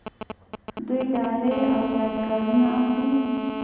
دوی ډالۍ او یادګارونه اخلي.